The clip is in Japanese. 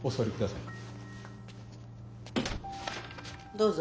どうぞ。